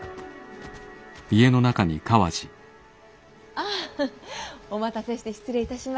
ああお待たせして失礼いたしました。